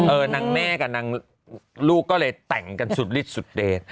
นางแม่กับนางลูกก็เลยแต่งกันสุดฤทธสุดเดช